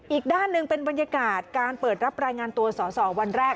อีกด้านหนึ่งเป็นบรรยากาศการเปิดรับรายงานตัวสอสอวันแรก